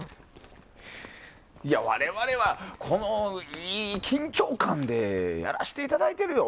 いや、我々は、いい緊張感でやらせていただいてるよ。